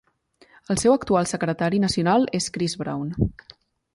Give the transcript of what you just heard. El seu actual Secretari Nacional és Chris Brown.